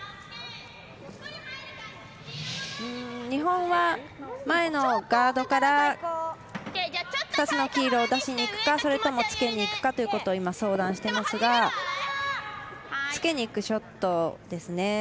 日本は前のガードから２つの黄色を出しにいくかそれとも、つけにいくかということを相談してますがつけにいくショットですね。